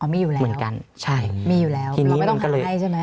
อ๋อมีอยู่แล้วมีอยู่แล้วเราไม่ต้องหาให้ใช่ไหม